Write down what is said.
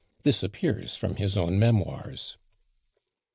This appears from his own Memoirs.